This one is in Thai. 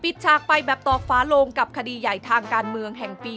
ฉากไปแบบตอกฟ้าโลงกับคดีใหญ่ทางการเมืองแห่งปี